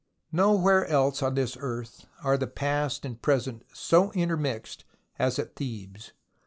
Nowhere else on this earth are the past and present so intermixed as at Thebes.